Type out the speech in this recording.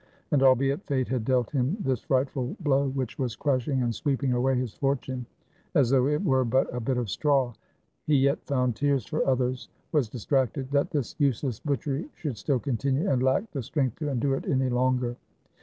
And albeit Fate had dealt him this frightful blow — which was crushing and sweeping away his fortune as though it were but a bit of straw — he yet found tears for others, was distracted that this useless butchery should still continue, and lacked the strength to endure it any longer.